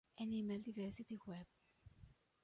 Animal Diversity Web.